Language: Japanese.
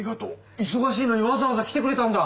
いそがしいのにわざわざ来てくれたんだ。